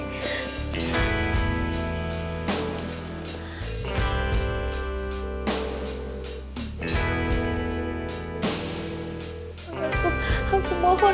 tuhan aku mohon